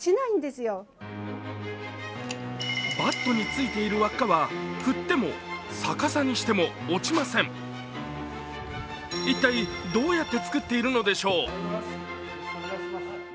バットについている輪っかは振っても、逆さにしても落ちません一体、どうやって作っているのでしょう？